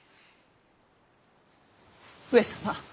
上様。